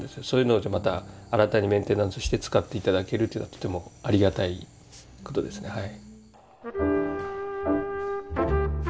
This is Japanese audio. そういうのでまた新たにメンテナンスして使って頂けるというのはとてもありがたい事ですね。